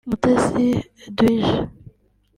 Mutesi Eduige